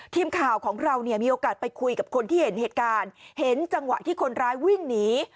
ทีมข่าวของเราเนี่ยมีโอกาสไปคุยกับคนที่เห็นเหตุการณ์เห็นจังหวะที่คนร้ายวิ่งหนี